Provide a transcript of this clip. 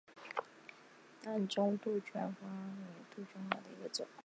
淡钟杜鹃为杜鹃花科杜鹃属下的一个种。